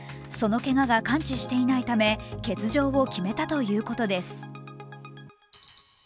そのけがが完治していないため欠場を決めたということです。